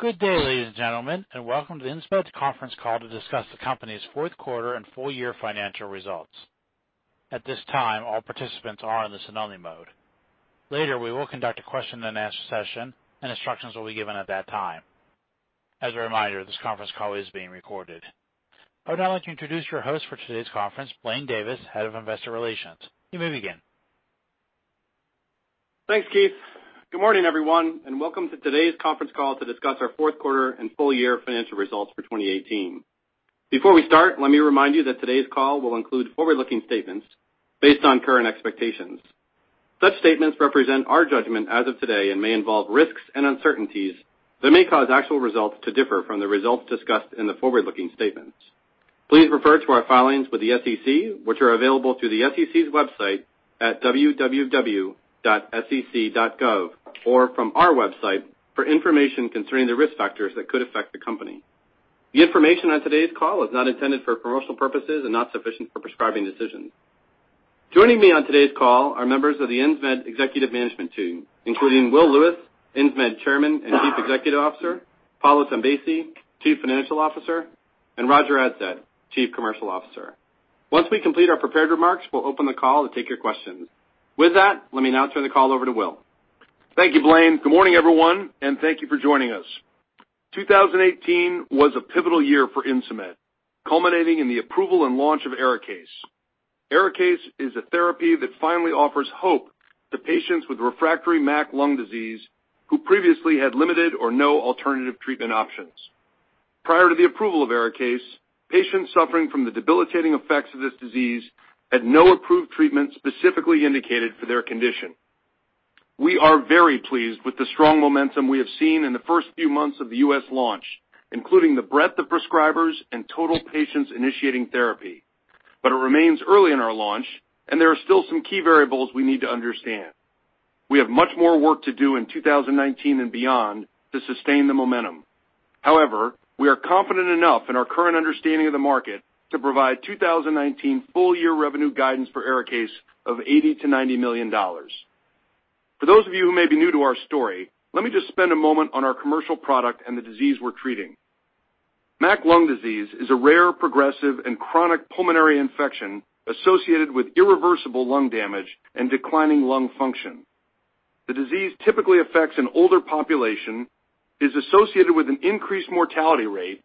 Good day, ladies and gentlemen, welcome to the Insmed conference call to discuss the company's fourth quarter and full-year financial results. This time, all participants are in listen-only mode. Later, we will conduct a question and answer session, instructions will be given at that time. A reminder, this conference call is being recorded. I would now like to introduce your host for today's conference, Blaine Davis, head of investor relations. You may begin. Thanks, Keith. Good morning, everyone, welcome to today's conference call to discuss our fourth quarter and full-year financial results for 2018. We start, let me remind you that today's call will include forward-looking statements based on current expectations. Such statements represent our judgment as of today may involve risks and uncertainties that may cause actual results to differ from the results discussed in the forward-looking statements. Please refer to our filings with the SEC, which are available through the SEC's website at www.sec.gov from our website, for information concerning the risk factors that could affect the company. Information on today's call is not intended for promotional purposes not sufficient for prescribing decisions. Joining me on today's call are members of the Insmed executive management team, including William Lewis, Insmed Chairman and Chief Executive Officer, Paolo Tombesi, Chief Financial Officer, Roger Adsett, Chief Commercial Officer. We complete our prepared remarks, we'll open the call to take your questions. That, let me now turn the call over to Will. Thank you, Blaine. Good morning, everyone, thank you for joining us. 2018 was a pivotal year for Insmed, culminating in the approval and launch of ARIKAYCE. ARIKAYCE is a therapy that finally offers hope to patients with refractory MAC lung disease who previously had limited no alternative treatment options. To the approval of ARIKAYCE, patients suffering from the debilitating effects of this disease had no approved treatment specifically indicated for their condition. We are very pleased with the strong momentum we have seen in the first few months of the U.S. launch, including the breadth of prescribers total patients initiating therapy. It remains early in our launch, there are still some key variables we need to understand. We have much more work to do in 2019 beyond to sustain the momentum. We are confident enough in our current understanding of the market to provide 2019 full-year revenue guidance for ARIKAYCE of $80 million-$90 million. For those of you who may be new to our story, let me just spend a moment on our commercial product and the disease we're treating. MAC lung disease is a rare, progressive, and chronic pulmonary infection associated with irreversible lung damage and declining lung function. The disease typically affects an older population, is associated with an increased mortality rate,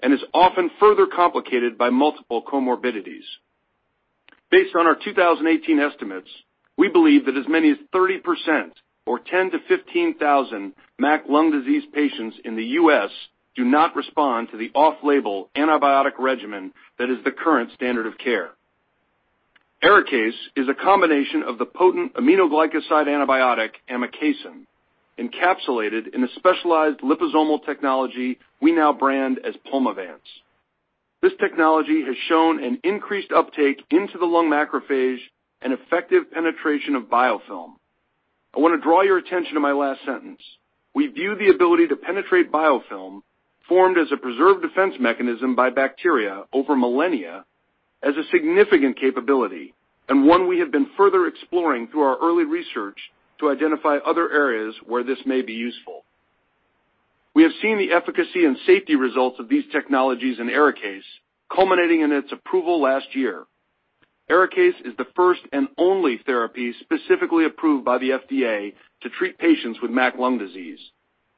and is often further complicated by multiple comorbidities. Based on our 2018 estimates, we believe that as many as 30%, or 10,000-15,000 MAC lung disease patients in the U.S. do not respond to the off-label antibiotic regimen that is the current standard of care. ARIKAYCE is a combination of the potent aminoglycoside antibiotic, amikacin, encapsulated in a specialized liposomal technology we now brand as PULMOVANCE. This technology has shown an increased uptake into the lung macrophage and effective penetration of biofilm. I want to draw your attention to my last sentence. We view the ability to penetrate biofilm, formed as a preserved defense mechanism by bacteria over millennia, as a significant capability, and one we have been further exploring through our early research to identify other areas where this may be useful. We have seen the efficacy and safety results of these technologies in ARIKAYCE, culminating in its approval last year. ARIKAYCE is the first and only therapy specifically approved by the FDA to treat patients with MAC lung disease,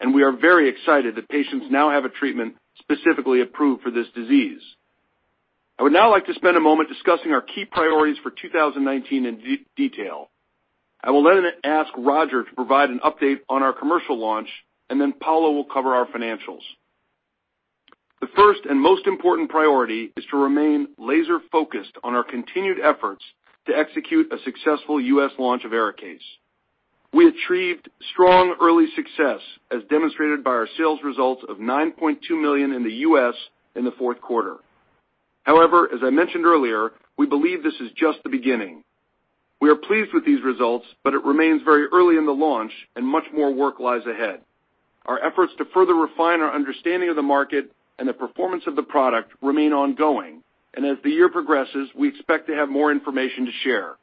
and we are very excited that patients now have a treatment specifically approved for this disease. I would now like to spend a moment discussing our key priorities for 2019 in detail. I will ask Roger to provide an update on our commercial launch. Paolo will cover our financials. The first and most important priority is to remain laser-focused on our continued efforts to execute a successful U.S. launch of ARIKAYCE. We achieved strong early success, as demonstrated by our sales results of $9.2 million in the U.S. in the fourth quarter. As I mentioned earlier, we believe this is just the beginning. We are pleased with these results, but it remains very early in the launch. Much more work lies ahead. Our efforts to further refine our understanding of the market and the performance of the product remain ongoing. As the year progresses, we expect to have more information to share.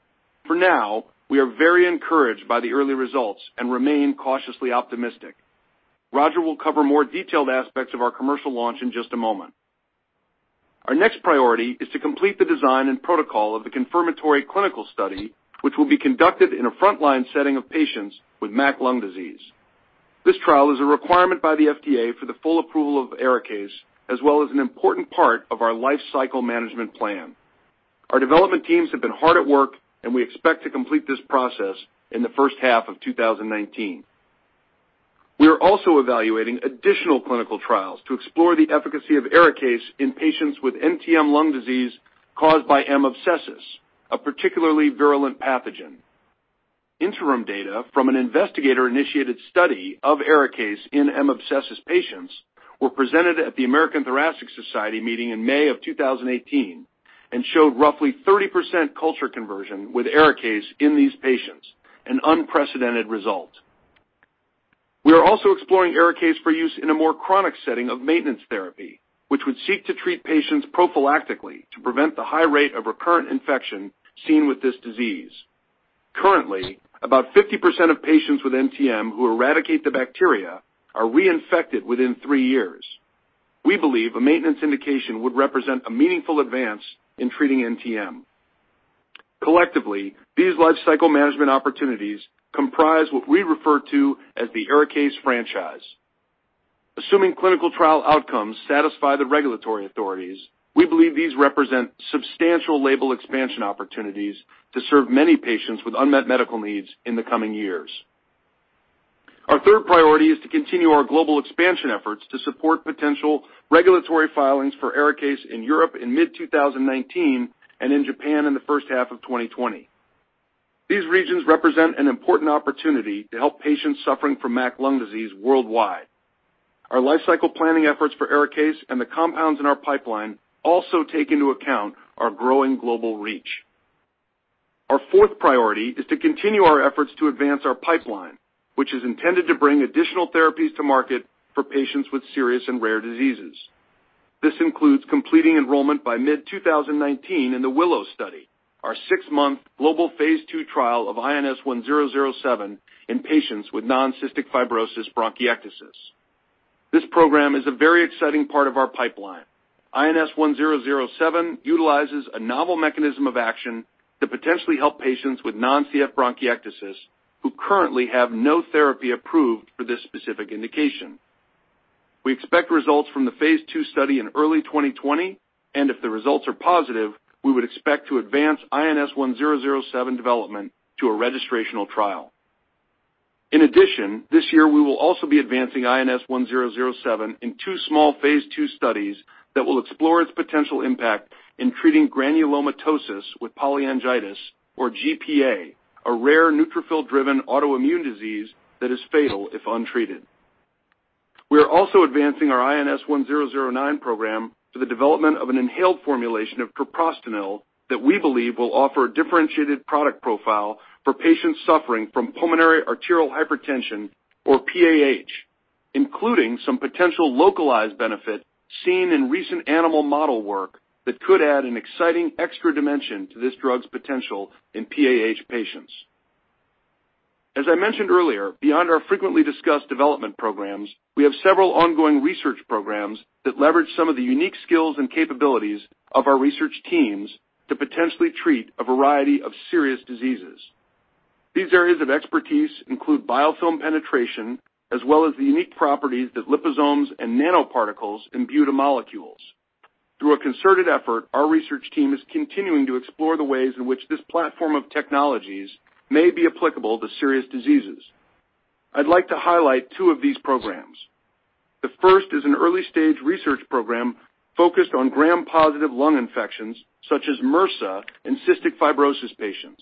For now, we are very encouraged by the early results and remain cautiously optimistic. Roger will cover more detailed aspects of our commercial launch in just a moment. Our next priority is to complete the design and protocol of the confirmatory clinical study, which will be conducted in a frontline setting of patients with MAC lung disease. This trial is a requirement by the FDA for the full approval of ARIKAYCE, as well as an important part of our life cycle management plan. Our development teams have been hard at work, and we expect to complete this process in the first half of 2019. We are also evaluating additional clinical trials to explore the efficacy of ARIKAYCE in patients with NTM lung disease caused by M. abscessus, a particularly virulent pathogen. Interim data from an investigator-initiated study of ARIKAYCE in M. M. abscessus patients were presented at the American Thoracic Society meeting in May of 2018 and showed roughly 30% culture conversion with ARIKAYCE in these patients, an unprecedented result. We are also exploring ARIKAYCE for use in a more chronic setting of maintenance therapy, which would seek to treat patients prophylactically to prevent the high rate of recurrent infection seen with this disease. Currently, about 50% of patients with NTM who eradicate the bacteria are reinfected within three years. We believe a maintenance indication would represent a meaningful advance in treating NTM. Collectively, these lifecycle management opportunities comprise what we refer to as the ARIKAYCE franchise. Assuming clinical trial outcomes satisfy the regulatory authorities, we believe these represent substantial label expansion opportunities to serve many patients with unmet medical needs in the coming years. Our third priority is to continue our global expansion efforts to support potential regulatory filings for ARIKAYCE in Europe in mid-2019, and in Japan in the first half of 2020. These regions represent an important opportunity to help patients suffering from MAC lung disease worldwide. Our lifecycle planning efforts for ARIKAYCE and the compounds in our pipeline also take into account our growing global reach. Our fourth priority is to continue our efforts to advance our pipeline, which is intended to bring additional therapies to market for patients with serious and rare diseases. This includes completing enrollment by mid-2019 in the WILLOW study, our six-month global phase II trial of INS1007 in patients with non-cystic fibrosis bronchiectasis. This program is a very exciting part of our pipeline. INS1007 utilizes a novel mechanism of action to potentially help patients with non-CF bronchiectasis, who currently have no therapy approved for this specific indication. We expect results from the phase II study in early 2020, and if the results are positive, we would expect to advance INS1007 development to a registrational trial. In addition, this year, we will also be advancing INS1007 in two small phase II studies that will explore its potential impact in treating granulomatosis with polyangiitis, or GPA, a rare neutrophil-driven autoimmune disease that is fatal if untreated. We are also advancing our INS1009 program for the development of an inhaled formulation of treprostinil that we believe will offer a differentiated product profile for patients suffering from pulmonary arterial hypertension, or PAH, including some potential localized benefit seen in recent animal model work that could add an exciting extra dimension to this drug's potential in PAH patients. As I mentioned earlier, beyond our frequently discussed development programs, we have several ongoing research programs that leverage some of the unique skills and capabilities of our research teams to potentially treat a variety of serious diseases. These areas of expertise include biofilm penetration, as well as the unique properties that liposomes and nanoparticles imbue to molecules. Through a concerted effort, our research team is continuing to explore the ways in which this platform of technologies may be applicable to serious diseases. I'd like to highlight two of these programs. The first is an early-stage research program focused on gram-positive lung infections, such as MRSA in cystic fibrosis patients.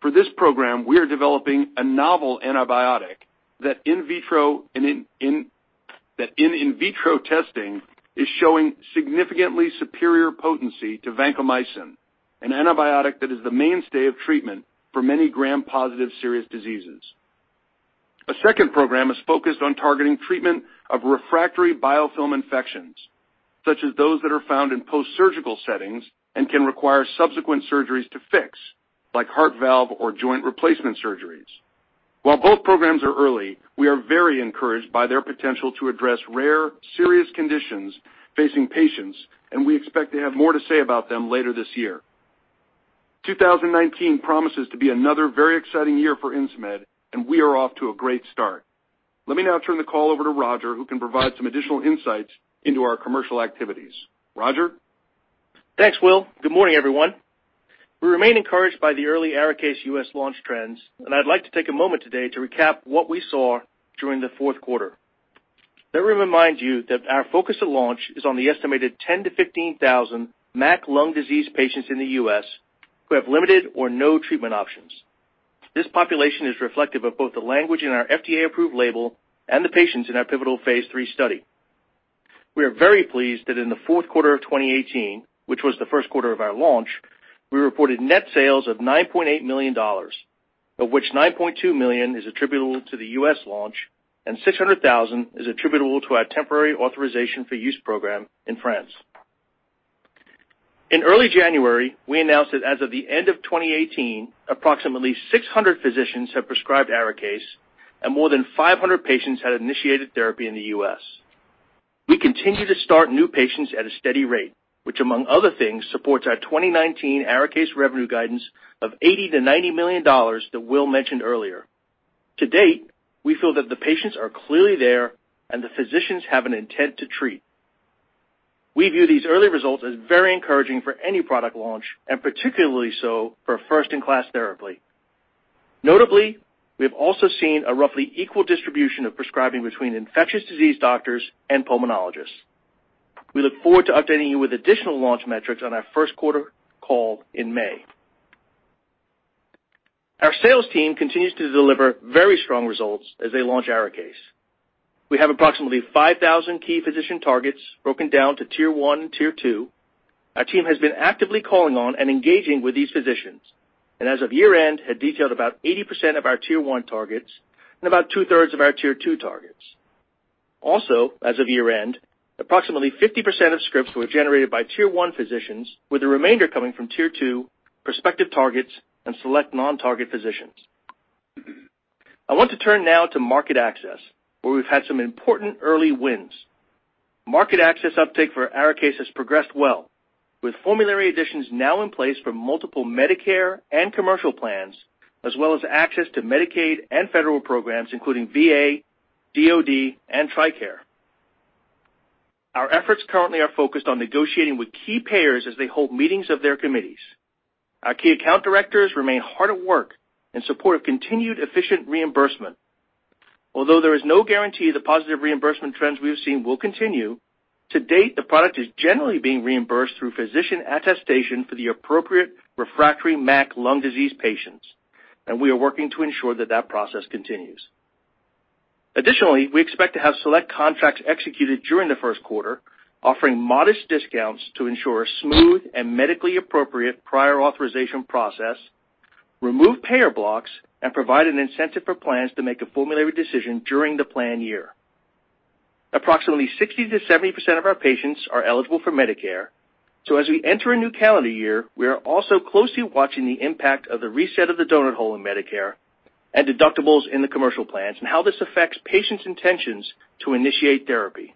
For this program, we are developing a novel antibiotic that in vitro testing is showing significantly superior potency to vancomycin, an antibiotic that is the mainstay of treatment for many gram-positive serious diseases. A second program is focused on targeting treatment of refractory biofilm infections, such as those that are found in post-surgical settings and can require subsequent surgeries to fix, like heart valve or joint replacement surgeries. While both programs are early, we are very encouraged by their potential to address rare, serious conditions facing patients, and we expect to have more to say about them later this year. 2019 promises to be another very exciting year for Insmed, and we are off to a great start. Let me now turn the call over to Roger, who can provide some additional insights into our commercial activities. Roger? Thanks, Will. Good morning, everyone. We remain encouraged by the early ARIKAYCE U.S. launch trends. I'd like to take a moment today to recap what we saw during the fourth quarter. Let me remind you that our focus at launch is on the estimated 10 to 15,000 MAC lung disease patients in the U.S. who have limited or no treatment options. This population is reflective of both the language in our FDA-approved label and the patients in our pivotal phase III study. We are very pleased that in the fourth quarter of 2018, which was the first quarter of our launch, we reported net sales of $9.8 million, of which $9.2 million is attributable to the U.S. launch and $600,000 is attributable to our temporary authorization for use program in France. In early January, we announced that as of the end of 2018, approximately 600 physicians have prescribed ARIKAYCE and more than 500 patients had initiated therapy in the U.S. We continue to start new patients at a steady rate, which among other things, supports our 2019 ARIKAYCE revenue guidance of $80 million to $90 million that Will mentioned earlier. To date, we feel that the patients are clearly there and the physicians have an intent to treat. We view these early results as very encouraging for any product launch, and particularly so for a first-in-class therapy. Notably, we have also seen a roughly equal distribution of prescribing between infectious disease doctors and pulmonologists. We look forward to updating you with additional launch metrics on our first quarter call in May. We have approximately 5,000 key physician targets broken down to tier 1 and tier 2. Our team has been actively calling on and engaging with these physicians, and as of year-end, had detailed about 80% of our tier 1 targets and about two-thirds of our tier 2 targets. As of year-end, approximately 50% of scripts were generated by tier 1 physicians, with the remainder coming from tier 2, prospective targets, and select non-target physicians. I want to turn now to market access, where we've had some important early wins. Market access uptake for ARIKAYCE has progressed well, with formulary additions now in place for multiple Medicare and commercial plans, as well as access to Medicaid and federal programs, including VA, DOD, and TRICARE. Our efforts currently are focused on negotiating with key payers as they hold meetings of their committees. Our key account directors remain hard at work in support of continued efficient reimbursement. Although there is no guarantee the positive reimbursement trends we have seen will continue, to date, the product is generally being reimbursed through physician attestation for the appropriate refractory MAC lung disease patients, and we are working to ensure that that process continues. Additionally, we expect to have select contracts executed during the first quarter, offering modest discounts to ensure a smooth and medically appropriate prior authorization process, remove payer blocks, and provide an incentive for plans to make a formulary decision during the plan year. Approximately 60%-70% of our patients are eligible for Medicare. As we enter a new calendar year, we are also closely watching the impact of the reset of the donut hole in Medicare and deductibles in the commercial plans, and how this affects patients' intentions to initiate therapy.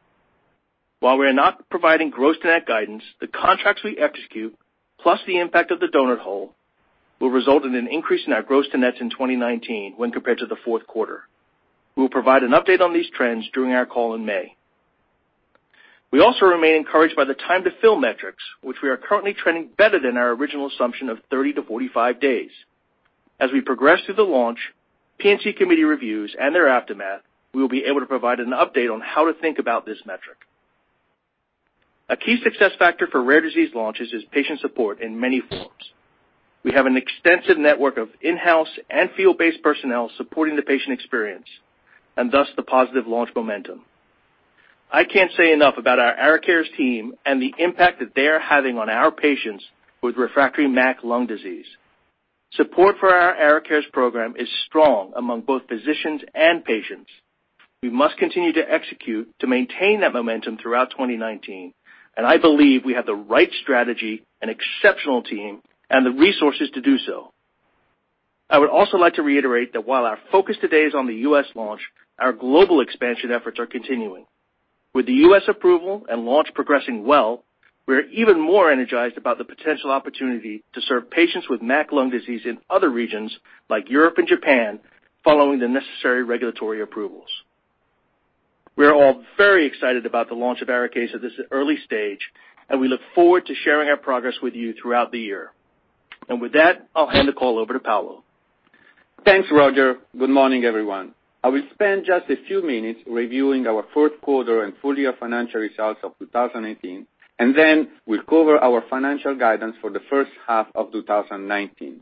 While we are not providing gross to net guidance, the contracts we execute, plus the impact of the donut hole, will result in an increase in our gross to nets in 2019 when compared to the fourth quarter. We will provide an update on these trends during our call in May. We also remain encouraged by the time-to-fill metrics, which we are currently trending better than our original assumption of 30-45 days. As we progress through the launch, P&T committee reviews, and their aftermath, we will be able to provide an update on how to think about this metric. A key success factor for rare disease launches is patient support in many forms. We have an extensive network of in-house and field-based personnel supporting the patient experience, and thus the positive launch momentum. I can't say enough about our ARIKARES team and the impact that they are having on our patients with refractory MAC lung disease. Support for our ARIKARES program is strong among both physicians and patients. We must continue to execute to maintain that momentum throughout 2019. I believe we have the right strategy, an exceptional team, and the resources to do so. I would also like to reiterate that while our focus today is on the U.S. launch, our global expansion efforts are continuing. With the U.S. approval and launch progressing well, we are even more energized about the potential opportunity to serve patients with MAC lung disease in other regions like Europe and Japan following the necessary regulatory approvals. We are all very excited about the launch of ARIKAYCE at this early stage, and we look forward to sharing our progress with you throughout the year. With that, I'll hand the call over to Paolo. Thanks, Roger. Good morning, everyone. I will spend just a few minutes reviewing our fourth quarter and full-year financial results of 2018, then we'll cover our financial guidance for the first half of 2019.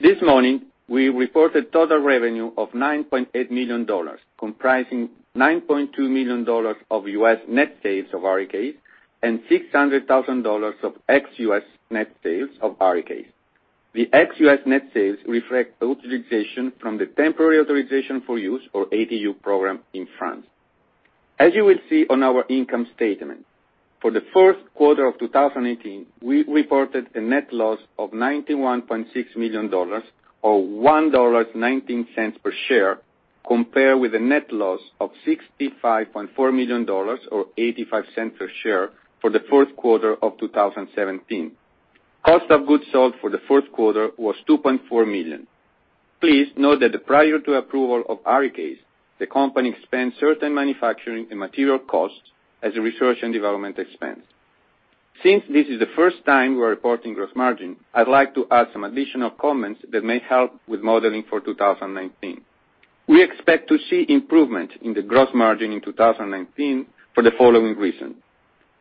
This morning, we reported total revenue of $9.8 million, comprising $9.2 million of U.S. net sales of ARIKAYCE and $600,000 of ex-U.S. net sales of ARIKAYCE. The ex-U.S. net sales reflect authorization from the Temporary Authorization for Use, or ATU program, in France. As you will see on our income statement, for the first quarter of 2018, we reported a net loss of $91.6 million, or $1.19 per share, compared with a net loss of $65.4 million, or $0.85 per share, for the fourth quarter of 2017. Cost of goods sold for the fourth quarter was $2.4 million. Please note that prior to approval of ARIKAYCE, the company spent certain manufacturing and material costs as a research and development expense. Since this is the first time we're reporting gross margin, I'd like to add some additional comments that may help with modeling for 2019. We expect to see improvement in the gross margin in 2019 for the following reason.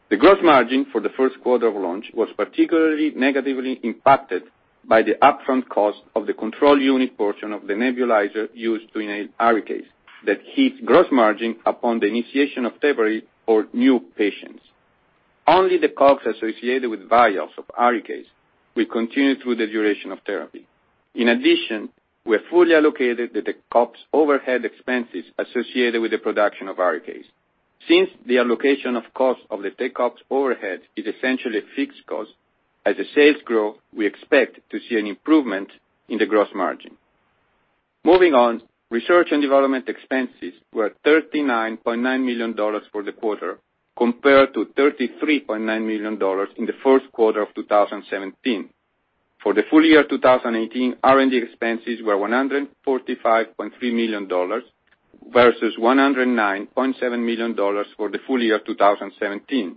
The gross margin for the first quarter of launch was particularly negatively impacted by the upfront cost of the control unit portion of the nebulizer used to enable ARIKAYCE that hits gross margin upon the initiation of therapy for new patients. Only the COGS associated with vials of ARIKAYCE will continue through the duration of therapy. In addition, we have fully allocated the tech ops overhead expenses associated with the production of ARIKAYCE. Since the allocation of cost of the tech ops overhead is essentially a fixed cost, as sales grow, we expect to see an improvement in the gross margin. Moving on, research and development expenses were $39.9 million for the quarter, compared to $33.9 million in the first quarter of 2017. For the full year 2018, R&D expenses were $145.3 million versus $109.7 million for the full year 2017.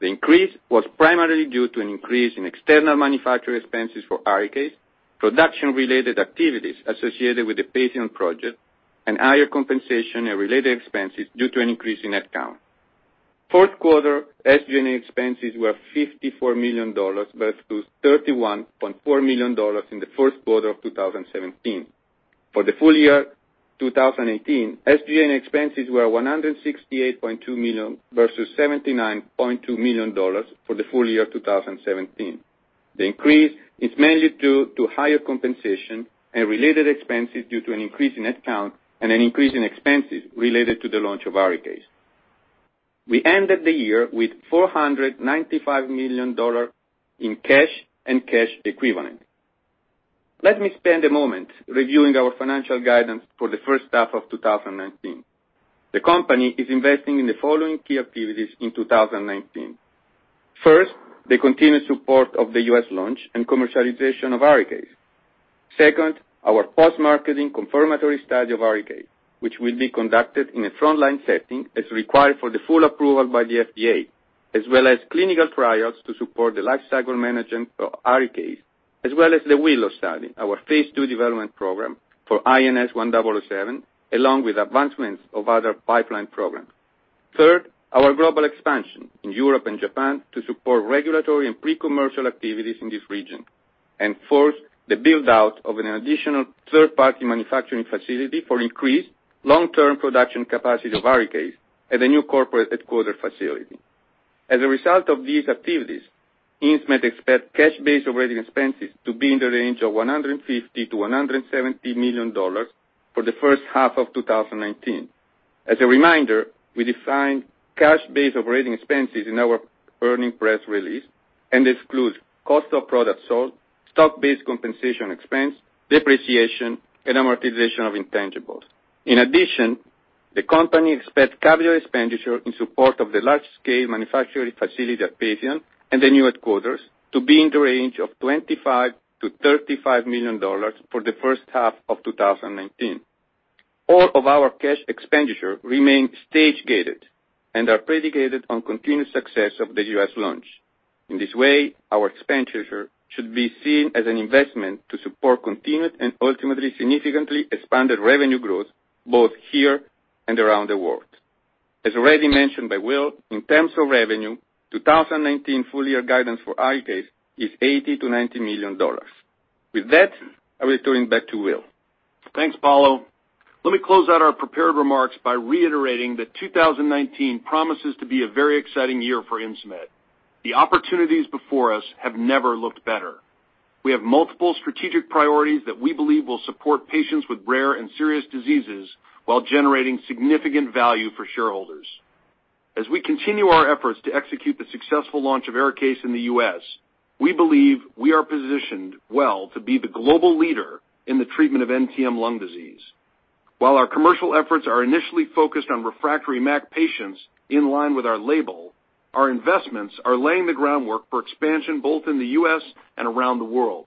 The increase was primarily due to an increase in external manufacturer expenses for ARIKAYCE, production-related activities associated with the patient project, and higher compensation and related expenses due to an increase in headcount. Fourth quarter SG&A expenses were $54 million versus $31.4 million in the first quarter of 2017. For the full year 2018, SG&A expenses were $168.2 million versus $79.2 million for the full year 2017. The increase is mainly due to higher compensation and related expenses due to an increase in headcount and an increase in expenses related to the launch of ARIKAYCE. We ended the year with $495 million in cash and cash equivalent. Let me spend a moment reviewing our financial guidance for the first half of 2019. The company is investing in the following key activities in 2019. First, the continued support of the U.S. launch and commercialization of ARIKAYCE. Second, our post-marketing confirmatory study of ARIKAYCE, which will be conducted in a frontline setting as required for the full approval by the FDA, as well as clinical trials to support the lifecycle management for ARIKAYCE, as well as the WILLOW study, our phase II development program for INS1007, along with advancements of other pipeline programs. Third, our global expansion in Europe and Japan to support regulatory and pre-commercial activities in this region. Fourth, the build-out of an additional third-party manufacturing facility for increased long-term production capacity of ARIKAYCE at the new corporate headquarter facility. As a result of these activities, Insmed expects cash-based operating expenses to be in the range of $150 million-$170 million for the first half of 2019. As a reminder, we define cash-based operating expenses in our earnings press release and excludes cost of products sold, stock-based compensation expense, depreciation, and amortization of intangibles. In addition, the company expects capital expenditure in support of the large-scale manufacturing facility at Patheon and the new headquarters to be in the range of $25 million-$35 million for the first half of 2019. All of our cash expenditure remain stage-gated and are predicated on continued success of the U.S. launch. In this way, our expenditure should be seen as an investment to support continued and ultimately significantly expanded revenue growth both here and around the world. As already mentioned by Will, in terms of revenue, 2019 full-year guidance for ARIKAYCE is $80 million-$90 million. With that, I will turn it back to Will. Thanks, Paolo. Let me close out our prepared remarks by reiterating that 2019 promises to be a very exciting year for Insmed. The opportunities before us have never looked better. We have multiple strategic priorities that we believe will support patients with rare and serious diseases while generating significant value for shareholders. As we continue our efforts to execute the successful launch of ARIKAYCE in the U.S., we believe we are positioned well to be the global leader in the treatment of NTM lung disease. While our commercial efforts are initially focused on refractory MAC patients in line with our label, our investments are laying the groundwork for expansion both in the U.S. and around the world.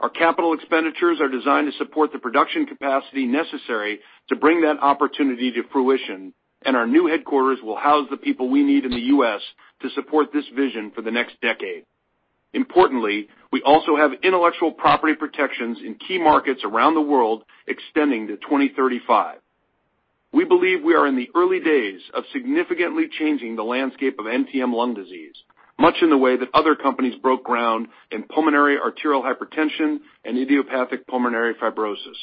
Our capital expenditures are designed to support the production capacity necessary to bring that opportunity to fruition, and our new headquarters will house the people we need in the U.S. to support this vision for the next decade. Importantly, we also have intellectual property protections in key markets around the world extending to 2035. We believe we are in the early days of significantly changing the landscape of NTM lung disease, much in the way that other companies broke ground in pulmonary arterial hypertension and idiopathic pulmonary fibrosis.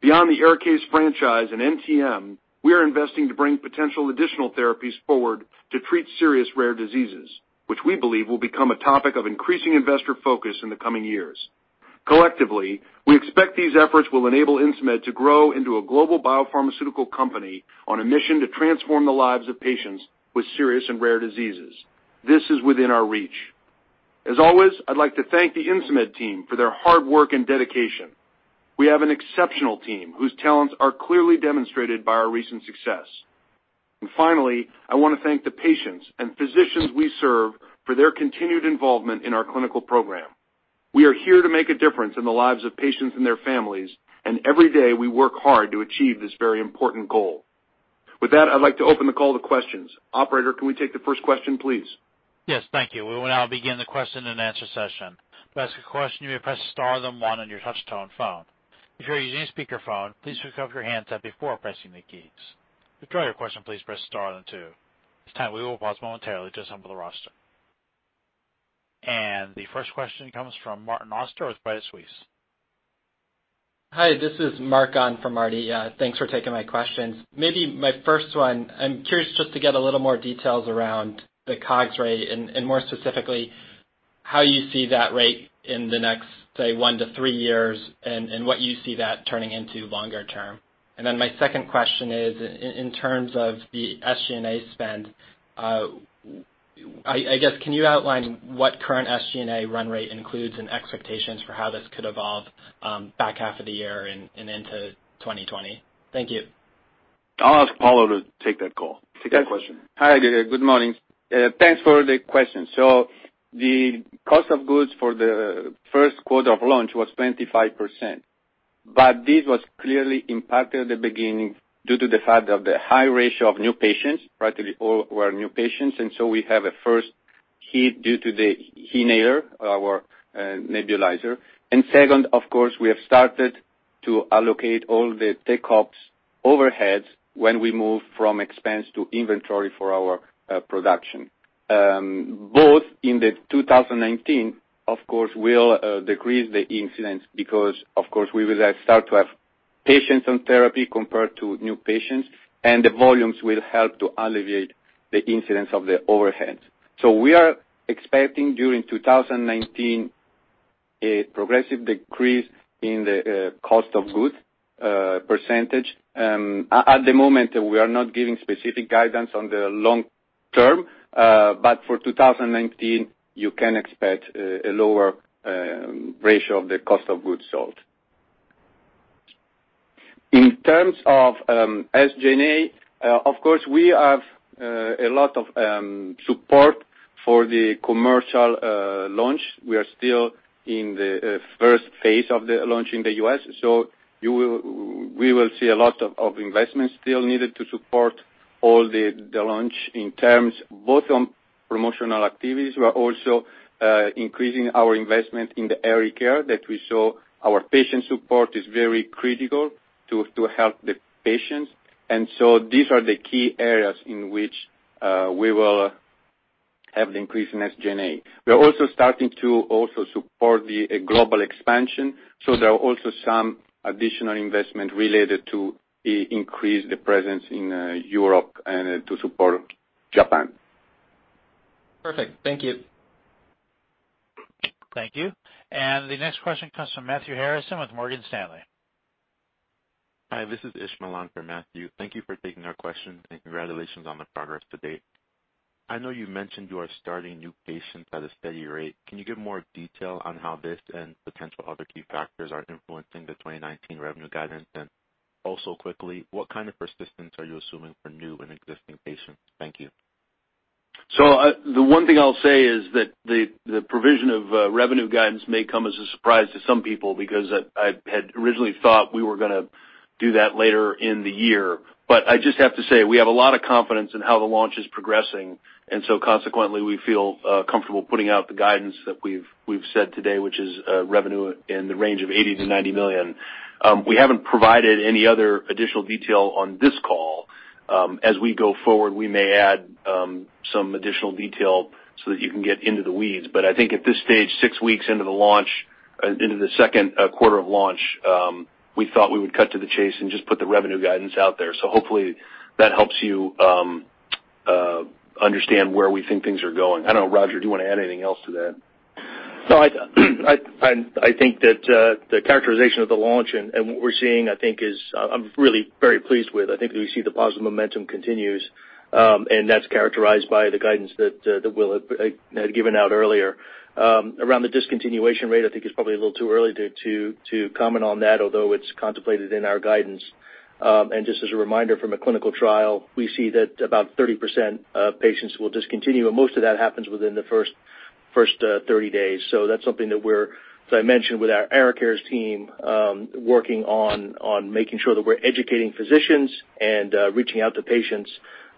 Beyond the ARIKAYCE franchise and NTM, we are investing to bring potential additional therapies forward to treat serious rare diseases, which we believe will become a topic of increasing investor focus in the coming years. Collectively, we expect these efforts will enable Insmed to grow into a global biopharmaceutical company on a mission to transform the lives of patients with serious and rare diseases. This is within our reach. As always, I'd like to thank the Insmed team for their hard work and dedication. We have an exceptional team whose talents are clearly demonstrated by our recent success. Finally, I want to thank the patients and physicians we serve for their continued involvement in our clinical program. We are here to make a difference in the lives of patients and their families, and every day we work hard to achieve this very important goal. With that, I'd like to open the call to questions. Operator, can we take the first question, please? Yes. Thank you. We will now begin the question and answer session. To ask a question, you may press star, then one on your touchtone phone. If you are using a speakerphone, please pick up your handset before pressing the keys. To withdraw your question, please press star, then two. At this time, we will pause momentarily to assemble the roster. The first question comes from Martin Auster with Credit Suisse. Hi, this is Mark on for Martin. Thanks for taking my questions. Maybe my first one, I'm curious just to get a little more details around the COGS rate and more specifically, how you see that rate in the next, say, 1-3 years and what you see that turning into longer term. My second question is in terms of the SG&A spend, I guess, can you outline what current SG&A run rate includes and expectations for how this could evolve back half of the year and into 2020? Thank you. I'll ask Paolo to take that call, take that question. Hi. Good morning. Thanks for the question. The cost of goods for the first quarter of launch was 25%. This was clearly impacted at the beginning due to the fact of the high ratio of new patients. Practically all were new patients. We have a first hit due to the eFlow nebulizer. Second, of course, we have started to allocate all the tech ops overheads when we move from expense to inventory for our production. Both in the 2019, of course, will decrease the incidence because, of course, we will start to have patients on therapy compared to new patients, and the volumes will help to alleviate the incidence of the overhead. We are expecting, during 2019, a progressive decrease in the cost of goods percentage. At the moment, we are not giving specific guidance on the long term, for 2019, you can expect a lower ratio of the cost of goods sold. In terms of SG&A, of course, we have a lot of support for the commercial launch. We are still in the first phase of the launch in the U.S. We will see a lot of investments still needed to support all the launch in terms both on promotional activities. We are also increasing our investment in the ARIKARES that we saw our patient support is very critical to help the patients. These are the key areas in which we will have the increase in SG&A. We are also starting to also support the global expansion. There are also some additional investment related to increase the presence in Europe and to support Japan. Perfect. Thank you. Thank you. The next question comes from Matthew Harrison with Morgan Stanley. Hi, this is Ishmael Malgan for Matthew. Congratulations on the progress to date. I know you mentioned you are starting new patients at a steady rate. Can you give more detail on how this and potential other key factors are influencing the 2019 revenue guidance? Also quickly, what kind of persistence are you assuming for new and existing patients? Thank you. The one thing I'll say is that the provision of revenue guidance may come as a surprise to some people, because I had originally thought we were going to do that later in the year. I just have to say, we have a lot of confidence in how the launch is progressing, consequently, we feel comfortable putting out the guidance that we've said today, which is revenue in the range of $80 million-$90 million. We haven't provided any other additional detail on this call. We go forward, we may add some additional detail so that you can get into the weeds. I think at this stage, six weeks into the second quarter of launch, we thought we would cut to the chase and just put the revenue guidance out there. Hopefully that helps you understand where we think things are going. I don't know, Roger, do you want to add anything else to that? No, I think that the characterization of the launch and what we're seeing, I think is I'm really very pleased with. I think that we see the positive momentum continues, that's characterized by the guidance that Will had given out earlier. Around the discontinuation rate, I think it's probably a little too early to comment on that, although it's contemplated in our guidance. Just as a reminder from a clinical trial, we see that about 30% of patients will discontinue, and most of that happens within the first 30 days. That's something that we're, as I mentioned, with our ARIKARES team, working on making sure that we're educating physicians and reaching out to patients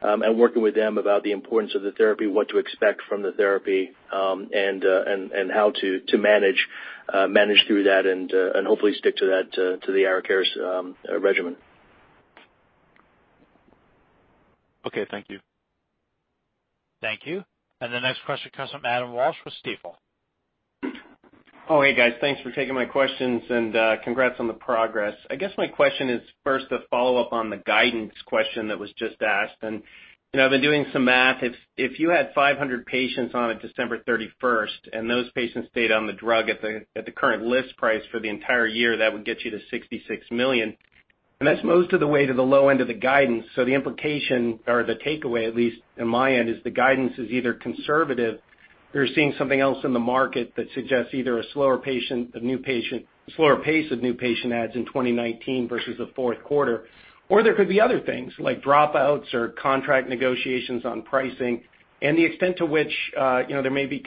and working with them about the importance of the therapy, what to expect from the therapy, and how to manage through that and hopefully stick to the ARIKARES regimen. Okay. Thank you. Thank you. The next question comes from Adam Walsh with Stifel. Hey, guys. Thanks for taking my questions and congrats on the progress. I guess my question is first a follow-up on the guidance question that was just asked. I've been doing some math. If you had 500 patients on at December 31st and those patients stayed on the drug at the current list price for the entire year, that would get you to $66 million, and that's most of the way to the low end of the guidance. The implication or the takeaway, at least on my end, is the guidance is either conservative or you're seeing something else in the market that suggests either a slower pace of new patient adds in 2019 versus the fourth quarter. There could be other things like dropouts or contract negotiations on pricing and the extent to which there may be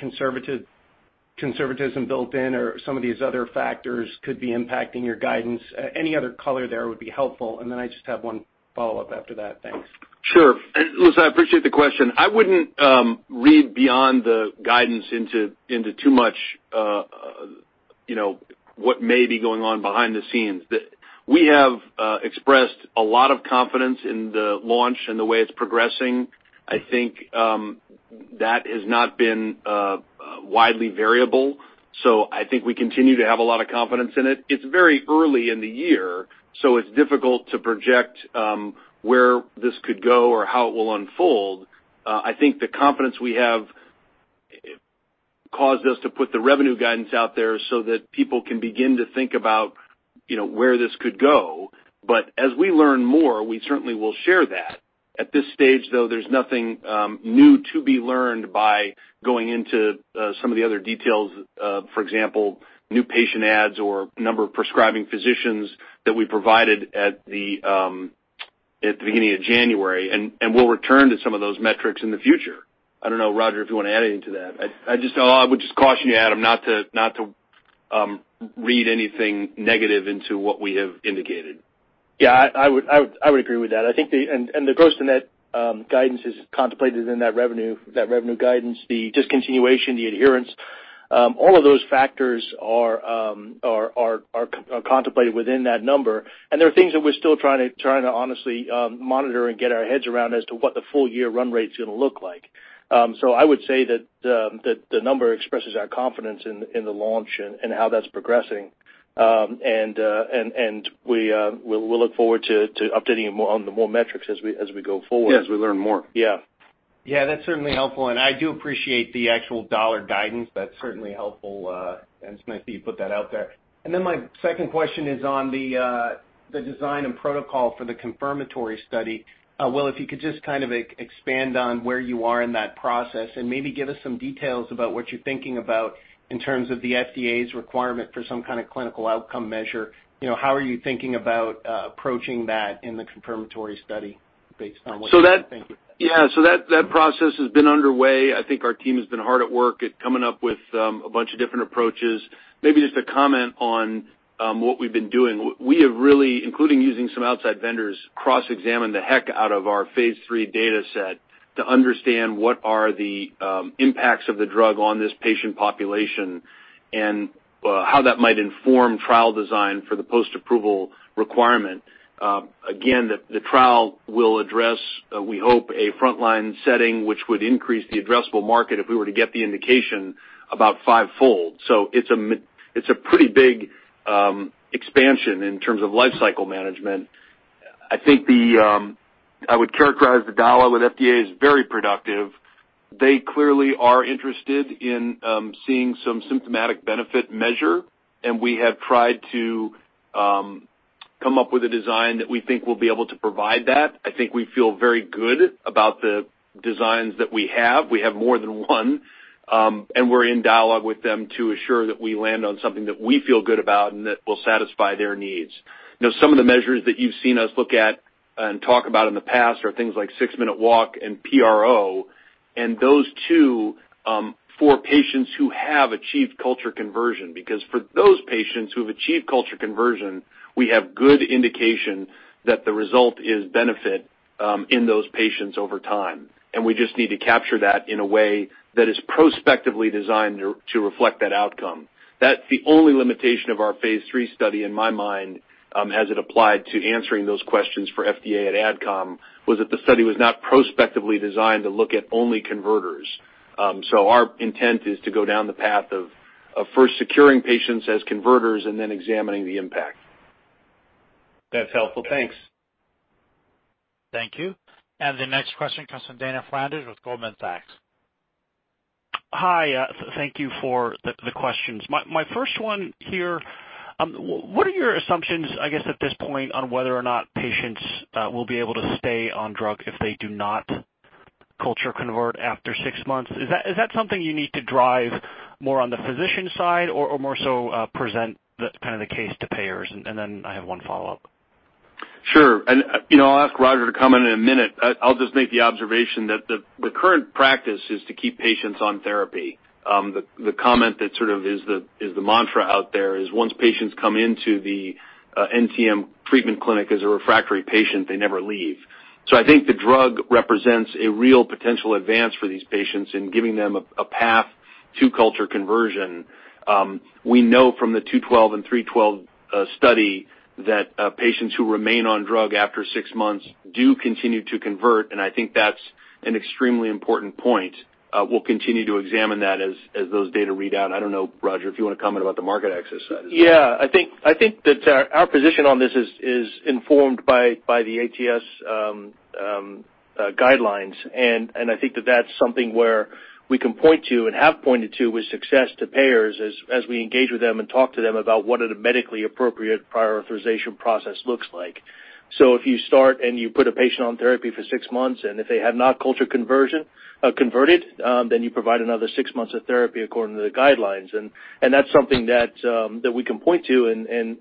conservatism built in or some of these other factors could be impacting your guidance. Any other color there would be helpful. Then I just have one follow-up after that. Thanks. Sure. Listen, I appreciate the question. I wouldn't read beyond the guidance into too much what may be going on behind the scenes. We have expressed a lot of confidence in the launch and the way it's progressing. I think that has not been widely variable. I think we continue to have a lot of confidence in it. It's very early in the year, so it's difficult to project where this could go or how it will unfold. I think the confidence we have caused us to put the revenue guidance out there so that people can begin to think about where this could go. As we learn more, we certainly will share that. At this stage, though, there's nothing new to be learned by going into some of the other details, for example, new patient adds or number of prescribing physicians that we provided at the beginning of January, and we'll return to some of those metrics in the future. I don't know, Roger, if you want to add anything to that. I would just caution you, Adam, not to read anything negative into what we have indicated. Yeah, I would agree with that. The gross to net guidance is contemplated in that revenue guidance. The discontinuation, the adherence, all of those factors are contemplated within that number, and there are things that we're still trying to honestly monitor and get our heads around as to what the full-year run rate's going to look like. I would say that the number expresses our confidence in the launch and how that's progressing. We'll look forward to updating you on the more metrics as we go forward. Yeah, as we learn more. Yeah. Yeah, that's certainly helpful, and I do appreciate the actual dollar guidance. That's certainly helpful, and it's nice that you put that out there. My second question is on the design and protocol for the confirmatory study. Will, if you could just expand on where you are in that process and maybe give us some details about what you're thinking about in terms of the FDA's requirement for some kind of clinical outcome measure. How are you thinking about approaching that in the confirmatory study based on what you're thinking? Yeah, that process has been underway. I think our team has been hard at work at coming up with a bunch of different approaches. Maybe just to comment on what we've been doing. We have really, including using some outside vendors, cross-examined the heck out of our phase III data set to understand what are the impacts of the drug on this patient population and how that might inform trial design for the post-approval requirement. Again, the trial will address, we hope, a frontline setting which would increase the addressable market if we were to get the indication about five-fold. It's a pretty big expansion in terms of life cycle management. I would characterize the dialogue with FDA as very productive. They clearly are interested in seeing some symptomatic benefit measure. We have tried to come up with a design that we think will be able to provide that. I think we feel very good about the designs that we have. We have more than one. We're in dialogue with them to assure that we land on something that we feel good about and that will satisfy their needs. Now, some of the measures that you've seen us look at and talk about in the past are things like six-minute walk and PRO, and those two for patients who have achieved culture conversion. For those patients who have achieved culture conversion, we have good indication that the result is benefit in those patients over time, and we just need to capture that in a way that is prospectively designed to reflect that outcome. That's the only limitation of our phase III study, in my mind, as it applied to answering those questions for FDA at AdCom, was that the study was not prospectively designed to look at only converters. Our intent is to go down the path of first securing patients as converters and then examining the impact. That's helpful. Thanks. Thank you. The next question comes from Dana Flanders with Goldman Sachs. Hi. Thank you for the questions. My first one here, what are your assumptions, I guess, at this point on whether or not patients will be able to stay on drug if they do not culture convert after six months? Is that something you need to drive more on the physician side or more so present the case to payers? I have one follow-up. Sure. I'll ask Roger to comment in a minute. I'll just make the observation that the current practice is to keep patients on therapy. The comment that sort of is the mantra out there is once patients come into the NTM treatment clinic as a refractory patient, they never leave. I think the drug represents a real potential advance for these patients in giving them a path to culture conversion. We know from the INS-212 and INS-312 study that patients who remain on drug after six months do continue to convert, and I think that's an extremely important point. We'll continue to examine that as those data read out. I don't know, Roger, if you want to comment about the market access side as well. I think that our position on this is informed by the ATS guidelines, and I think that that's something where we can point to and have pointed to with success to payers as we engage with them and talk to them about what a medically appropriate prior authorization process looks like. If you start and you put a patient on therapy for six months, and if they have not culture converted, then you provide another six months of therapy according to the guidelines. That's something that we can point to, and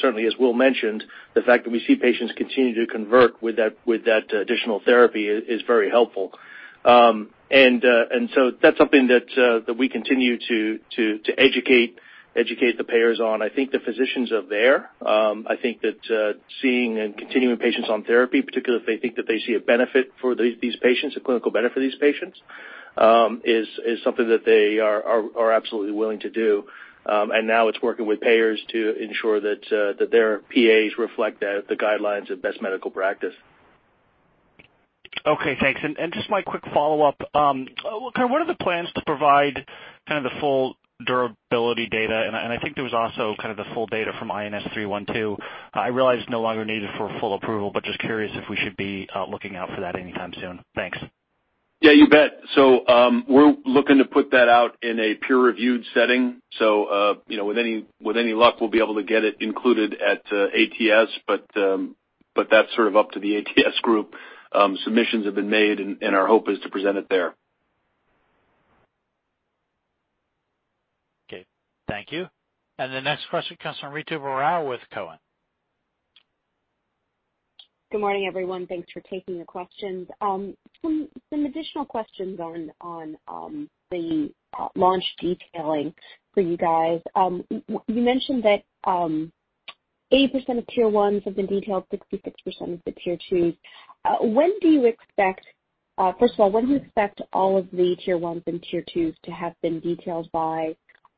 certainly, as Will mentioned, the fact that we see patients continue to convert with that additional therapy is very helpful. That's something that we continue to educate the payers on. I think the physicians are there. I think that seeing and continuing patients on therapy, particularly if they think that they see a benefit for these patients, a clinical benefit for these patients, is something that they are absolutely willing to do. Now it's working with payers to ensure that their PAs reflect the guidelines of best medical practice. Okay, thanks. Just my quick follow-up. What are the plans to provide the full durability data? I think there was also the full data from INS-312. I realize it's no longer needed for full approval, but just curious if we should be looking out for that anytime soon. Thanks. You bet. We're looking to put that out in a peer-reviewed setting. With any luck, we'll be able to get it included at ATS, but that's sort of up to the ATS group. Submissions have been made, our hope is to present it there. Okay, thank you. The next question comes from Ritu Baral with Cowen. Good morning, everyone. Thanks for taking the questions. Some additional questions on the launch detailing for you guys. You mentioned that 80% of Tier 1s have been detailed, 66% of the Tier 2s. First of all, when do you expect all of the Tier 1s and Tier 2s to have been detailed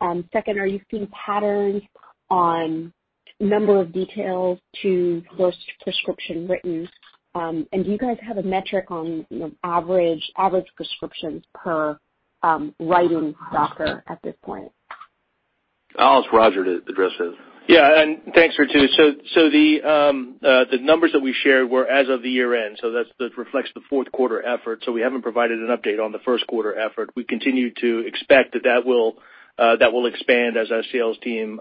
by? Second, are you seeing patterns on number of details to those prescriptions written? Do you guys have a metric on average prescriptions per writing doctor at this point? I'll ask Roger to address this. Thanks, Ritu. The numbers that we shared were as of the year-end, so that reflects the fourth quarter effort. We haven't provided an update on the first quarter effort. We continue to expect that will expand as our sales team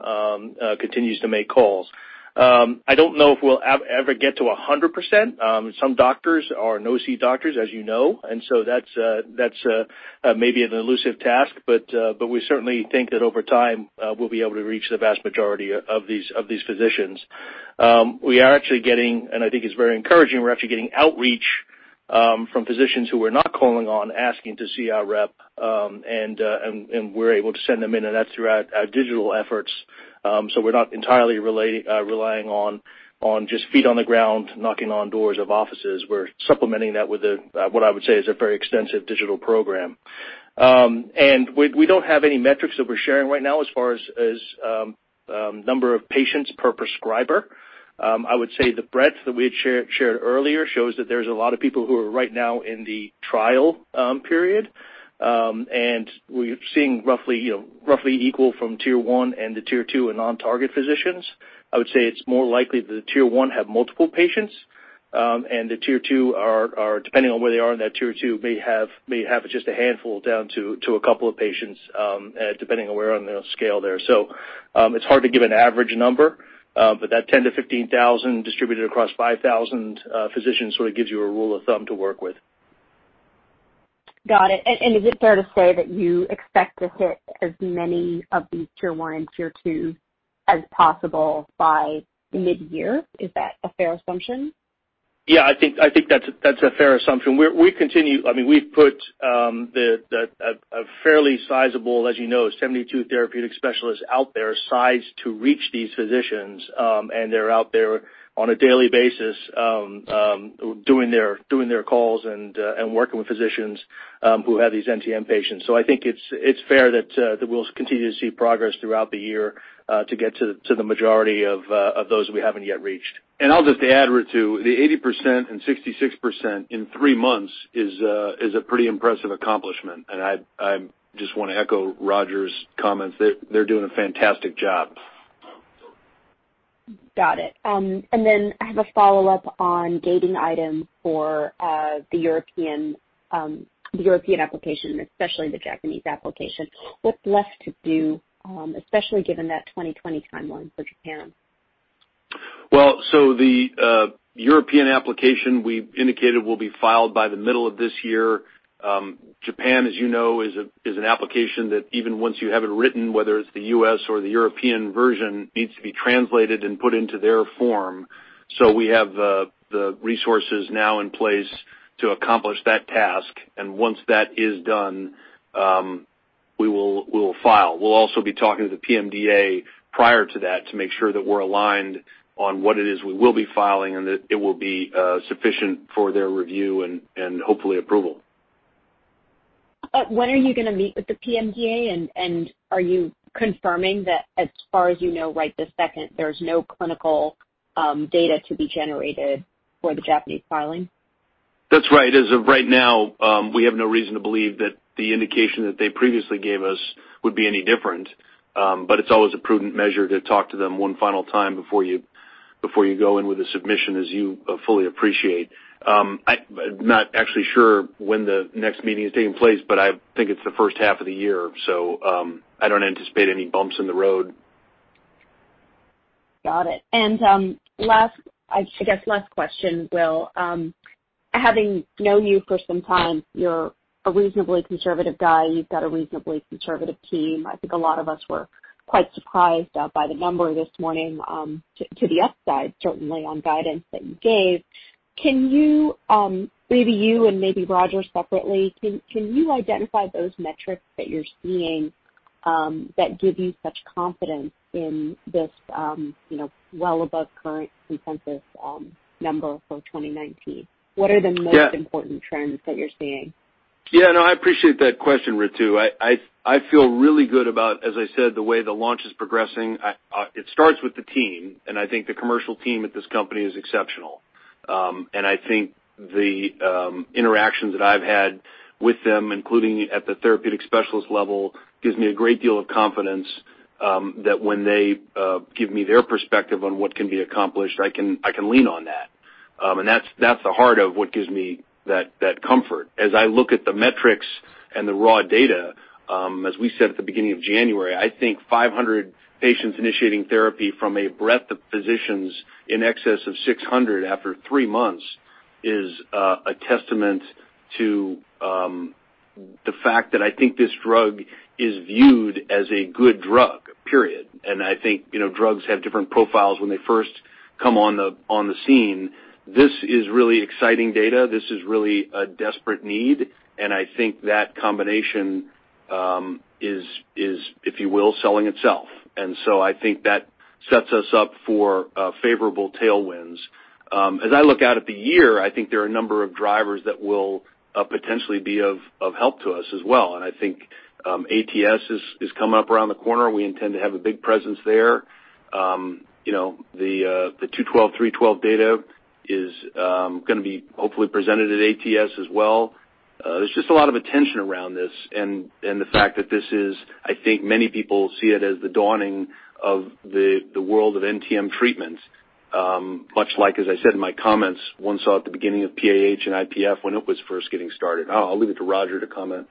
continues to make calls. I don't know if we'll ever get to 100%. Some doctors are no-see doctors, as you know, that's maybe an elusive task, but we certainly think that over time, we'll be able to reach the vast majority of these physicians. We are actually getting, and I think it's very encouraging, we're actually getting outreach from physicians who we're not calling on asking to see our rep, and we're able to send them in, and that's throughout our digital efforts. We're not entirely relying on just feet on the ground, knocking on doors of offices. We're supplementing that with what I would say is a very extensive digital program. We don't have any metrics that we're sharing right now as far as number of patients per prescriber. I would say the breadth that we had shared earlier shows that there's a lot of people who are right now in the trial period. We're seeing roughly equal from tier 1 and the tier 2 and on-target physicians. I would say it's more likely that the tier 1 have multiple patients, and the tier 2 are depending on where they are in that tier 2 may have just a handful down to a couple of patients, depending on where on the scale they are. It's hard to give an average number. That 10,000 to 15,000 distributed across 5,000 physicians sort of gives you a rule of thumb to work with. Got it. Is it fair to say that you expect to hit as many of these tier 1 and tier 2 as possible by mid-year? Is that a fair assumption? Yeah, I think that's a fair assumption. We've put a fairly sizable, as you know, 72 therapeutic specialists out there sized to reach these physicians, and they're out there on a daily basis doing their calls and working with physicians who have these NTM patients. I think it's fair that we'll continue to see progress throughout the year to get to the majority of those we haven't yet reached. I'll just add, Ritu, the 80% and 66% in three months is a pretty impressive accomplishment, and I just want to echo Roger's comments. They're doing a fantastic job. Got it. I have a follow-up on gating item for the European application, especially the Japanese application. What's left to do, especially given that 2020 timeline for Japan? The European application we've indicated will be filed by the middle of this year. Japan, as you know, is an application that even once you have it written, whether it's the U.S. or the European version, needs to be translated and put into their form. We have the resources now in place to accomplish that task, and once that is done, we will file. We'll also be talking to the PMDA prior to that to make sure that we're aligned on what it is we will be filing and that it will be sufficient for their review and hopefully approval. When are you going to meet with the PMDA, are you confirming that as far as you know right this second, there's no clinical data to be generated for the Japanese filing? That's right. As of right now, we have no reason to believe that the indication that they previously gave us would be any different. It's always a prudent measure to talk to them one final time before you go in with a submission, as you fully appreciate. I'm not actually sure when the next meeting is taking place, but I think it's the first half of the year, I don't anticipate any bumps in the road. Got it. I guess last question, Will. Having known you for some time, you're a reasonably conservative guy. You've got a reasonably conservative team. I think a lot of us were quite surprised by the number this morning, to the upside, certainly on guidance that you gave. Maybe you and maybe Roger separately, can you identify those metrics that you're seeing that give you such confidence in this well above current consensus number for 2019? What are the most important trends that you're seeing? Yeah, no, I appreciate that question, Ritu. I feel really good about, as I said, the way the launch is progressing. It starts with the team. I think the commercial team at this company is exceptional. I think the interactions that I've had with them, including at the therapeutic specialist level, gives me a great deal of confidence that when they give me their perspective on what can be accomplished, I can lean on that. That's the heart of what gives me that comfort. As I look at the metrics and the raw data, as we said at the beginning of January, I think 500 patients initiating therapy from a breadth of physicians in excess of 600 after three months is a testament to the fact that I think this drug is viewed as a good drug, period. I think drugs have different profiles when they first come on the scene. This is really exciting data. This is really a desperate need, and I think that combination is, if you will, selling itself. I think that sets us up for favorable tailwinds. As I look out at the year, I think there are a number of drivers that will potentially be of help to us as well, and I think ATS is coming up around the corner. We intend to have a big presence there. The INS-212/INS-312 data is going to be hopefully presented at ATS as well. There's just a lot of attention around this, and the fact that this is, I think many people see it as the dawning of the world of NTM treatments, much like, as I said in my comments, one saw at the beginning of PAH and IPF when it was first getting started. I'll leave it to Roger to comment.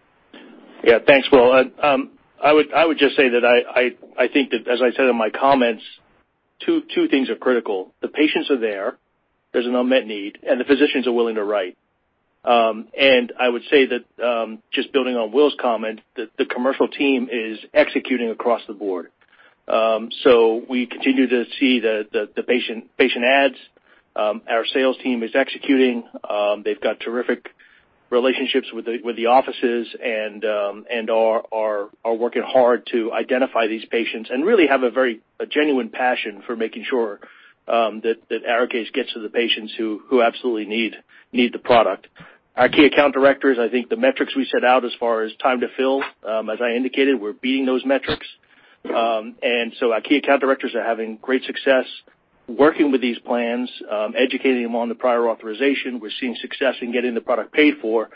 Yeah. Thanks, Will. I would just say that I think that, as I said in my comments, two things are critical. The patients are there's an unmet need, and the physicians are willing to write. I would say that, just building on Will's comment, that the commercial team is executing across the board. We continue to see the patient adds. Our sales team is executing. They've got terrific relationships with the offices and are working hard to identify these patients and really have a very genuine passion for making sure that ARIKAYCE gets to the patients who absolutely need the product. Our key account directors, I think the metrics we set out as far as time to fill, as I indicated, we're beating those metrics. Our key account directors are having great success working with these plans, educating them on the prior authorization. We're seeing success in getting the product paid for,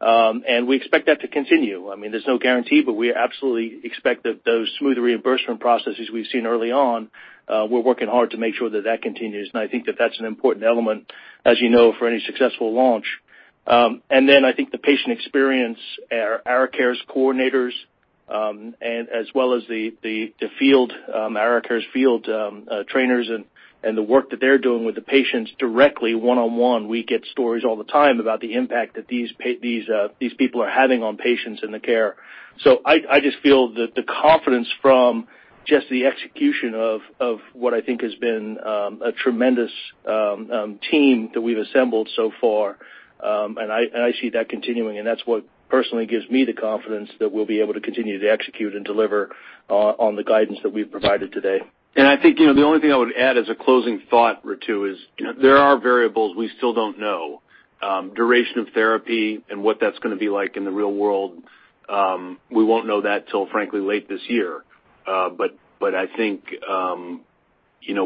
and we expect that to continue. There's no guarantee, but we absolutely expect that those smooth reimbursement processes we've seen early on, we're working hard to make sure that that continues. I think that that's an important element, as you know, for any successful launch. I think the patient experience, our ARIKARES coordinators, as well as the ARIKARES field trainers and the work that they're doing with the patients directly one-on-one, we get stories all the time about the impact that these people are having on patients and the care. I just feel that the confidence from just the execution of what I think has been a tremendous team that we've assembled so far, and I see that continuing, and that's what personally gives me the confidence that we'll be able to continue to execute and deliver on the guidance that we've provided today. I think the only thing I would add as a closing thought or two is there are variables we still don't know. Duration of therapy and what that's going to be like in the real world, we won't know that till, frankly, late this year. I think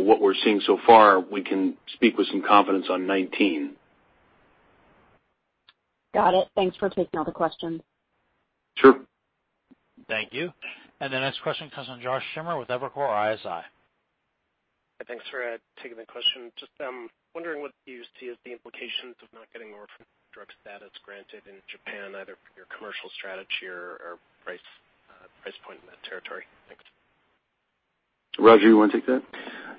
what we're seeing so far, we can speak with some confidence on 19. Got it. Thanks for taking all the questions. Sure. Thank you. The next question comes from Josh Schimmer with Evercore ISI. Thanks for taking the question. Just wondering what you see as the implications of not getting orphan drug status granted in Japan, either for your commercial strategy or price point in that territory. Thanks. Roger, you want to take that?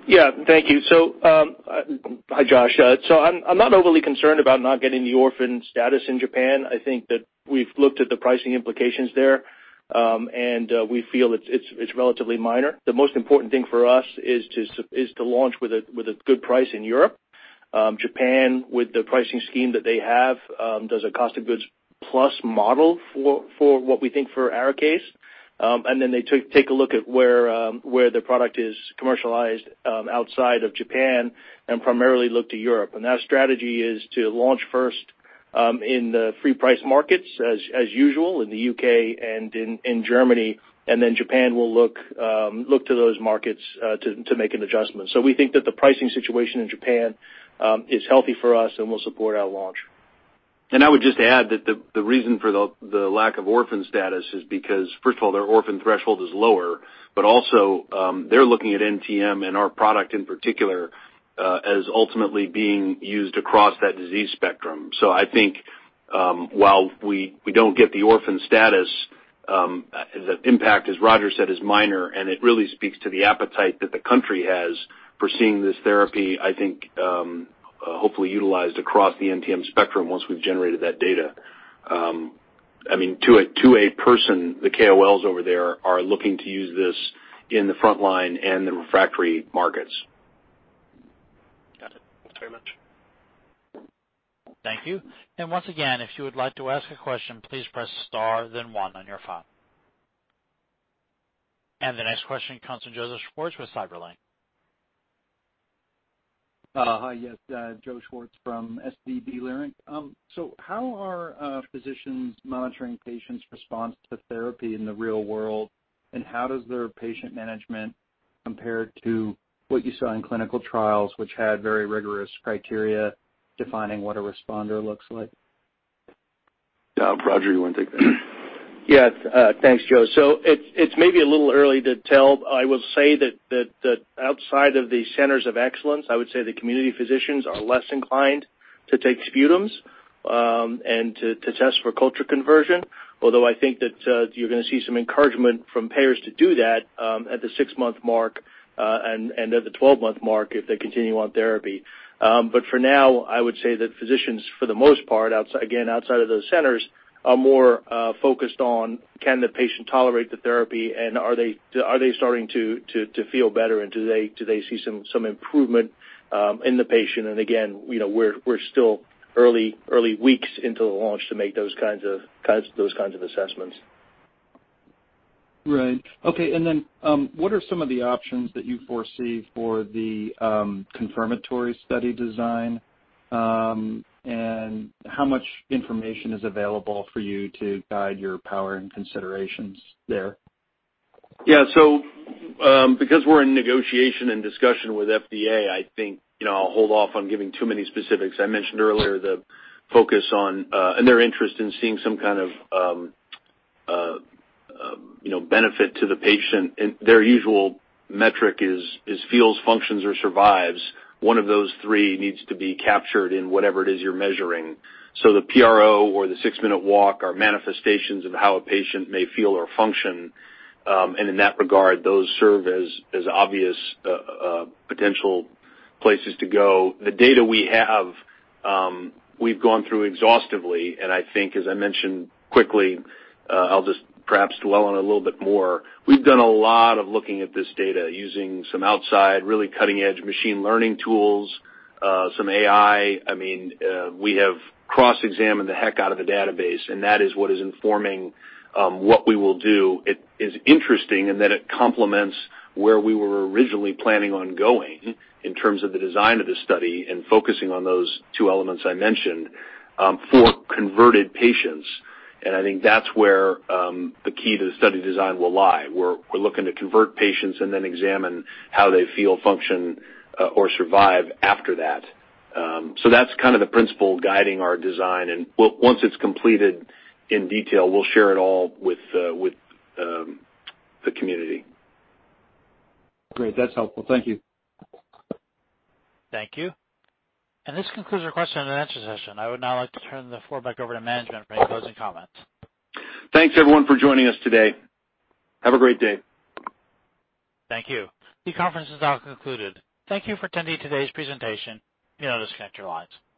Yeah. Thank you. Hi, Josh. I'm not overly concerned about not getting the orphan status in Japan. I think that we've looked at the pricing implications there, and we feel it's relatively minor. The most important thing for us is to launch with a good price in Europe. Japan, with the pricing scheme that they have, does a cost of goods plus model for what we think for ARIKAYCE. They take a look at where the product is commercialized outside of Japan and primarily look to Europe. That strategy is to launch first in the free price markets as usual in the U.K. and in Germany, then Japan will look to those markets to make an adjustment. We think that the pricing situation in Japan is healthy for us and will support our launch. I would just add that the reason for the lack of orphan status is because, first of all, their orphan threshold is lower, but also, they're looking at NTM and our product in particular, as ultimately being used across that disease spectrum. I think while we don't get the orphan status, the impact, as Roger said, is minor, and it really speaks to the appetite that the country has for seeing this therapy, I think, hopefully utilized across the NTM spectrum once we've generated that data. To a person, the KOLs over there are looking to use this in the frontline and the refractory markets. Got it. Thanks very much. Thank you. Once again, if you would like to ask a question, please press star then 1 on your phone. The next question comes from Joseph Schwartz with Leerink Partners. Hi, yes. Joe Schwartz from SVB Leerink. How are physicians monitoring patients' response to therapy in the real world, and how does their patient management compare to what you saw in clinical trials, which had very rigorous criteria defining what a responder looks like? Roger, you want to take that? Yes. Thanks, Joe. It's maybe a little early to tell. I will say that outside of the centers of excellence, I would say the community physicians are less inclined to take sputums and to test for culture conversion. Although I think that you're going to see some encouragement from payers to do that at the six-month mark and at the 12-month mark if they continue on therapy. For now, I would say that physicians, for the most part, again, outside of those centers, are more focused on can the patient tolerate the therapy and are they starting to feel better, and do they see some improvement in the patient? Again, we're still early weeks into the launch to make those kinds of assessments. Right. Okay. What are some of the options that you foresee for the confirmatory study design? How much information is available for you to guide your power and considerations there? Because we're in negotiation and discussion with FDA, I think I'll hold off on giving too many specifics. I mentioned earlier the focus on and their interest in seeing some kind of benefit to the patient, and their usual metric is feels, functions, or survives. One of those three needs to be captured in whatever it is you're measuring. The PRO or the six-minute walk are manifestations of how a patient may feel or function. In that regard, those serve as obvious potential places to go. The data we have, we've gone through exhaustively, and I think as I mentioned quickly, I'll just perhaps dwell on it a little bit more. We've done a lot of looking at this data using some outside, really cutting-edge machine learning tools, some AI. We have cross-examined the heck out of the database, and that is what is informing what we will do. It is interesting in that it complements where we were originally planning on going in terms of the design of the study and focusing on those two elements I mentioned for converted patients. I think that's where the key to the study design will lie. We're looking to convert patients and then examine how they feel, function, or survive after that. That's kind of the principle guiding our design, and once it's completed in detail, we'll share it all with the community. Great. That's helpful. Thank you. Thank you. This concludes our question and answer session. I would now like to turn the floor back over to management for any closing comments. Thanks, everyone, for joining us today. Have a great day. Thank you. The conference is now concluded. Thank you for attending today's presentation. You may disconnect your lines.